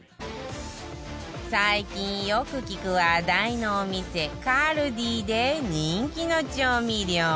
最近よく聞く話題のお店 ＫＡＬＤＩ で人気の調味料